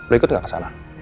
lo ikut gak kesana